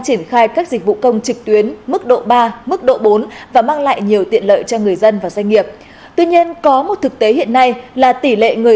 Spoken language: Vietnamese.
tuy nhiên thực tế hiện nhiều người vẫn còn tâm lý lo ngại